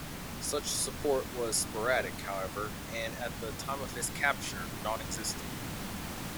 Such support was sporadic, however, and, at the time of his capture, non-existent.